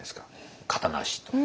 形なしと。